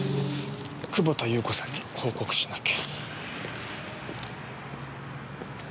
久保田優子さんに報告しなきゃ。